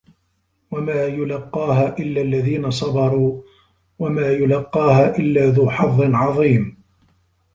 وَما يُلَقّاها إِلَّا الَّذينَ صَبَروا وَما يُلَقّاها إِلّا ذو حَظٍّ عَظيمٍ